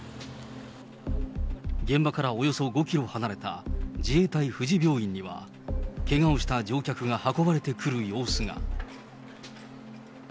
現場からおよそ５キロ離れた自衛隊富士病院には、けがをした乗客が運ばれてくる様子が。